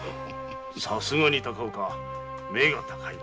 さすがに高岡目が高いな。